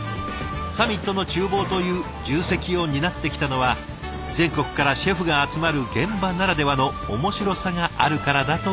サミットのちゅう房という重責を担ってきたのは全国からシェフが集まる現場ならではの面白さがあるからだといいます。